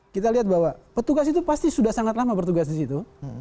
kita lihat bahwa petugas itu pasti sudah sangat lama bertugas di situ